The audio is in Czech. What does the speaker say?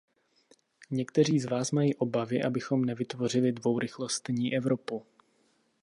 Někteří z vás mají obavy, abychom nevytvořili dvourychlostní Evropu.